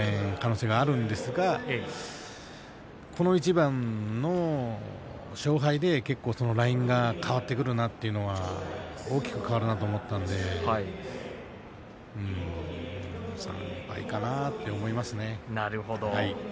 もちろんまだ４敗も全然可能性があるんですがこの一番の勝敗でそのラインが変わってくるなと大きく変わるなと思ったので３敗かなと思いますね。